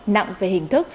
nặng về hình thức